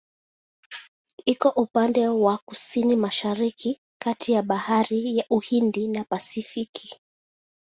Iko upande wa Kusini-Mashariki kati ya Bahari ya Uhindi na Pasifiki.